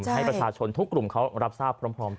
ให้ประชาชนทุกกลุ่มเขารับทราบพร้อมกัน